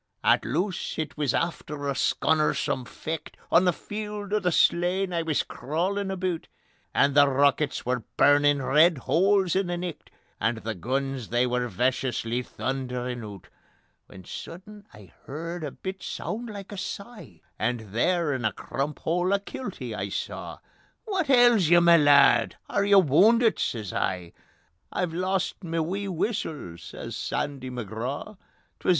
... At Loose, it wis after a sconnersome fecht, On the field o' the slain I wis crawlin' aboot; And the rockets were burnin' red holes in the nicht; And the guns they were veciously thunderin' oot; When sudden I heard a bit sound like a sigh, And there in a crump hole a kiltie I saw: "Whit ails ye, ma lad? Are ye woundit?" says I. "I've lost ma wee whustle," says Sandy McGraw.